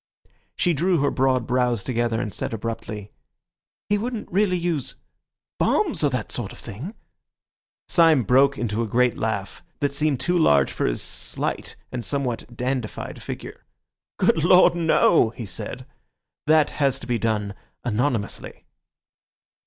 She drew her broad brows together and said abruptly— "He wouldn't really use—bombs or that sort of thing?" Syme broke into a great laugh, that seemed too large for his slight and somewhat dandified figure. "Good Lord, no!" he said, "that has to be done anonymously."